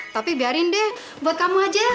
tapi biarin deh buat kamu aja